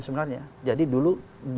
sebenarnya jadi dulu